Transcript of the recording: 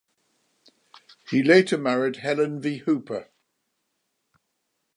He later married Helen V. Hooper.